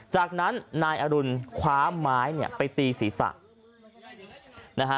จากนั้นนายอรุณคว้าไม้ไปตีศีรษะ